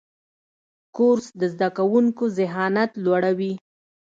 کورس د زده کوونکو ذهانت لوړوي.